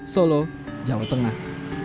solo jawa tengah